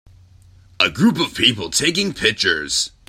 A group of people taking pictures.